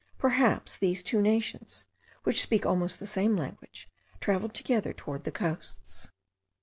Perhaps these two nations, which speak almost the same language, travelled together towards the coasts.